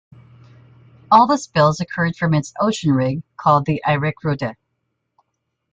All the spills occurred from its ocean rig called the Erik Raude.